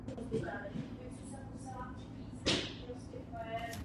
Jeho objev však nebyl zanesen do tištěných map.